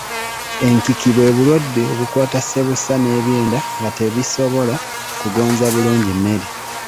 Enkiki bwe bulwadde obukwata ssebusa n’ebyenda nga tebisobola kugonza bulungi mmere.